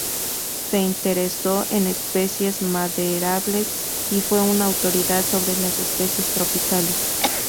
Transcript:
Se interesó en especies maderables, y fue una autoridad sobre las especies tropicales.